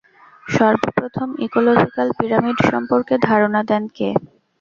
সর্বপ্রথম ecological pyramid সম্পর্কে ধারণা দেন কে?